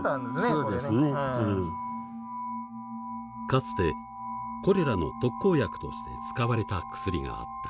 かつてコレラの特効薬として使われた薬があった。